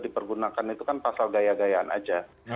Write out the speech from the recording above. dipergunakan itu kan pasal gaya gayaan aja